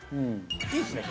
いいですね